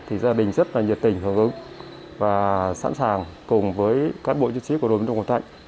thì gia đình rất là nhiệt tình hưởng ứng và sẵn sàng cùng với cán bộ chiến sĩ của đồn biên phòng thạnh